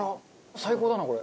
最高だなこれ。